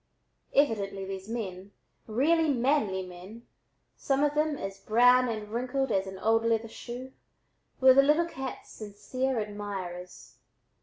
Evidently these men, really manly men, some of them as brown and wrinkled as an old leather shoe, were the little cat's sincere admirers.